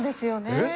えっ？